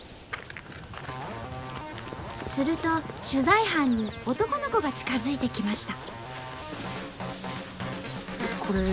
すると取材班に男の子が近づいてきました。